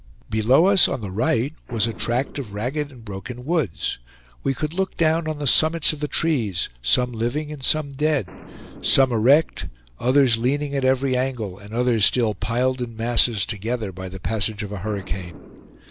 Below us, on the right, was a tract of ragged and broken woods. We could look down on the summits of the trees, some living and some dead; some erect, others leaning at every angle, and others still piled in masses together by the passage of a hurricane.